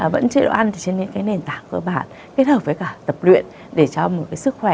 vẫn chế độ ăn trên những nền tảng cơ bản kết hợp với tập luyện để cho một sức khỏe sương khớp tốt